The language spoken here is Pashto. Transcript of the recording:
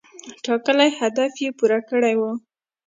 ټاکلی هدف یې پوره کړی و.